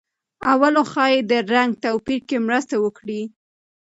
اولو ښايي د رنګ توپیر کې مرسته وکړي.